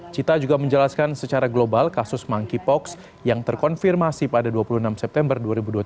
cita juga menjelaskan secara global kasus monkeypox yang terkonfirmasi pada dua puluh enam september dua ribu dua puluh tiga